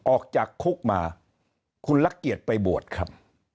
ออกจากคุกมาคุณละเกียรติไปบวชครับ